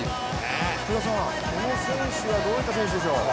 福田さん、この選手はどういった選手でしょう？